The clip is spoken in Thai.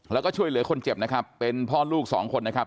แล้วก็ช่วยเหลือคนเจ็บนะครับเป็นพ่อลูกสองคนนะครับ